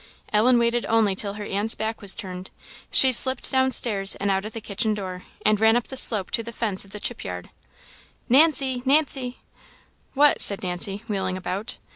Ellen waited only till her aunt's back was turned. She slipped down stairs and out at the kitchen door, and ran up the slope to the fence of the chip yard. "Nancy! Nancy!" "What?" said Nancy, wheeling about.